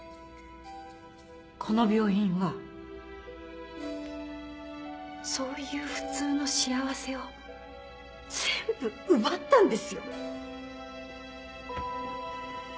この病院はそういう普通の幸せを全部奪ったんですよ？